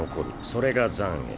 それが残穢。